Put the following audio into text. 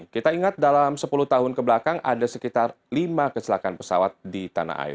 kita ingat dalam sepuluh tahun kebelakang ada sekitar lima kecelakaan pesawat di tanah air